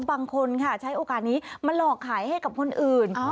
บางคนค่ะใช้โอกาสนี้มาหลอกขายให้กับคนอื่น